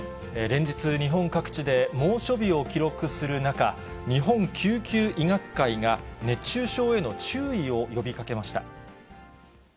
連日、日本各地で猛暑日を記録する中、日本救急医学会が、熱中症への注意を呼びかけました。